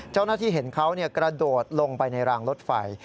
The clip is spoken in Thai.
เจ้าหน้าที่เห็นเขากระโดดลงไปในรางรถไฟ